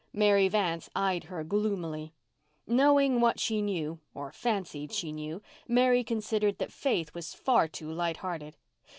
Mary Vance eyed her gloomily. Knowing what she knew, or fancied she knew, Mary considered that Faith was far too light hearted.